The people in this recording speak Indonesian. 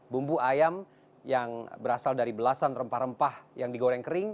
bumbu ayam yang berasal dari belasan rempah rempah yang digoreng kering